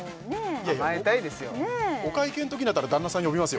いやいやお会計のときになったら旦那さん呼びますよ